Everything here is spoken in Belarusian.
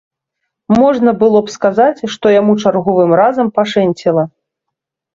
Можна было б сказаць, што яму чарговым разам пашэнціла.